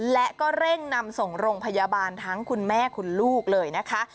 และก็เร่งนำส่งโรงพยาบาลทั้งคุณแม่คุณลูกเลยนะคะ